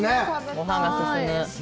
ごはんが進む。